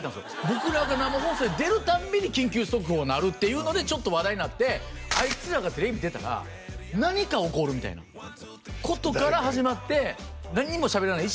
僕らが生放送で出るたんびに緊急速報なるっていうのでちょっと話題になってアイツらがテレビ出たら何か起こるみたいなことから始まって何にも喋らない